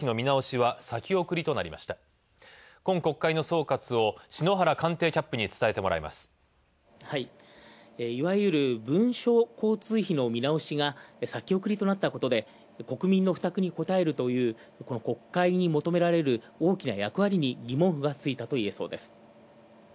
はい、いわゆる文書通信費の見直しが先送りとなったことで国民の負託にこたえるという国会に求められる大きな役割に疑問符がついたといえそう。